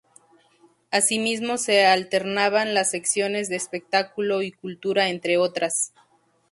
Asimismo se alternaban las secciones de espectáculo y cultura, entre otras.